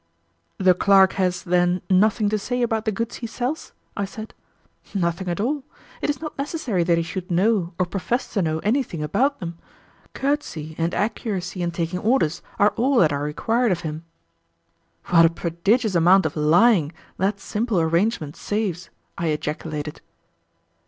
"The clerk has, then, nothing to say about the goods he sells?" I said. "Nothing at all. It is not necessary that he should know or profess to know anything about them. Courtesy and accuracy in taking orders are all that are required of him." "What a prodigious amount of lying that simple arrangement saves!" I ejaculated.